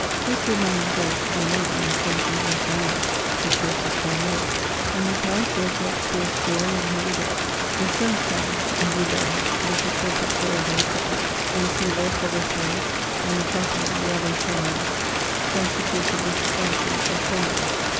'*' This good man resolved to be a noble in 1 7S9 ; he chose his time well I In this house there was much forced joy and heavy debt. The Seneschal, G^rt, the fiscal procurator. Petit, the receiver Corvaisier, and the chaplain, the Abbe Channel, constituted the society of Combourg.